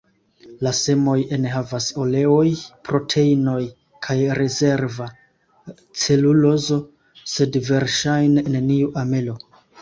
La semoj enhavas oleoj, proteinoj kaj rezerva celulozo, sed verŝajne neniu amelo.